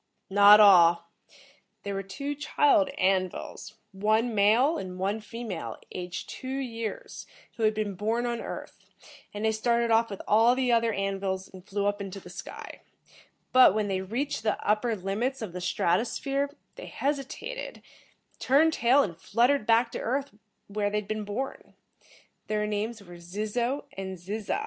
"Not all. There were two child An vils, one male and one female, aged two years, who had been born on Earth, and they started off with all the other An vils and flew up into the sky. But when they reached the upper limits of the strato sphere, they hesitated, turned tail and fluttered back to Earth where they had been born. Their names were Zizzo and Zizza."